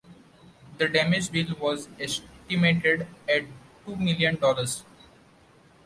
The damage bill was estimated at two million dollars.